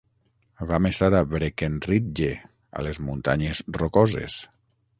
Vam estar a Breckenridge, a les muntanyes rocoses.